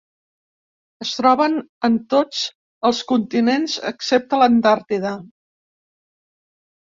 Es troben en tots els continents excepte l'Antàrtida.